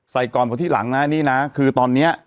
ก่อนกว่าที่หลังนะนี่นะคือตอนนี้